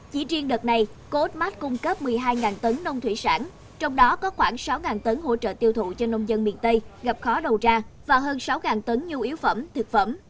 chỉ riêng đợt này coodmmart cung cấp một mươi hai tấn nông thủy sản trong đó có khoảng sáu tấn hỗ trợ tiêu thụ cho nông dân miền tây gặp khó đầu ra và hơn sáu tấn nhu yếu phẩm thực phẩm